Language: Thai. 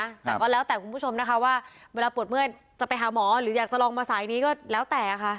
แต่ก็แล้วแต่คุณผู้ชมนะคะว่าเวลาปวดเมื่อยจะไปหาหมอหรืออยากจะลองมาสายนี้ก็แล้วแต่ค่ะ